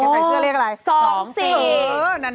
ใส่เสื้อเลขอะไร๒๔